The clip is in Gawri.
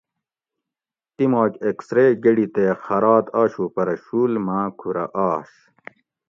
تیماک ایکسرے گڑی تے خارات آشو پرہ شول ماں کھورہ آش